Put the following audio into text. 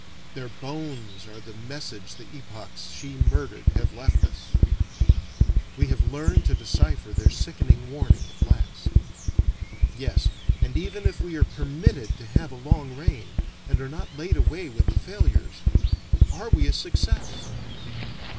Their bones are the message the epochs she murdered have left us: we have learned to decipher their sickening warning at last. Yes, and even if we are permitted to have a long reign, and are not laid away with the failures, are we a success?